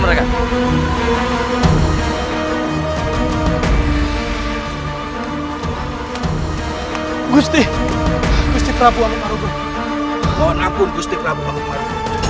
mohon ampun gusti prabu ampumaruf